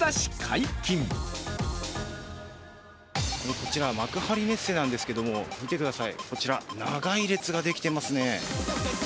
こちら幕張メッセなんですけど見てください、こちら長い列ができていますね。